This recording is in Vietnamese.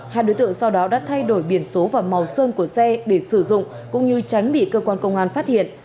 hai đối tượng sau đó đã thay đổi biển số và màu sơn của xe để sử dụng cũng như tránh bị cơ quan công an phát hiện